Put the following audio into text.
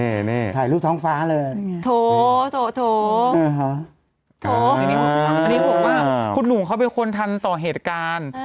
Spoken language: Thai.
โอ้โฮอันนี้ห่วงมากคุณหนูเขาเป็นคนทันต่อเหตุการณ์